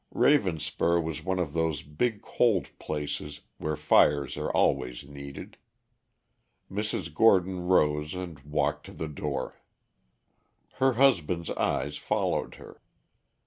Ravenspur was one of those big cold places where fires are always needed. Mrs. Gordon rose and walked to the door. Her husband's eyes followed her.